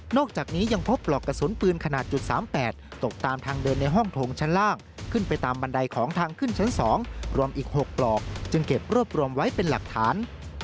อกจากนี้ยังพบปลอกกระสุนปืนขนาด๓๘ตกตามทางเดินในห้องโถงชั้นล่างขึ้นไปตามบันไดของทางขึ้นชั้น๒รวมอีก๖ปลอกจึงเก็บรวบรวมไว้เป็นหลักฐาน